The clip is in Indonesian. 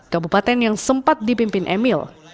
kabupaten yang sempat dipimpin emil